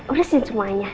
udah sih semuanya